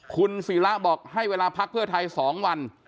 คุณศิระบอกให้เวลาพักเพื่อไทย๒วัน